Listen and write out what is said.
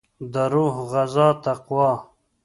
دروح غذا تقوا